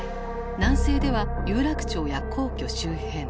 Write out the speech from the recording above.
南西では有楽町や皇居周辺。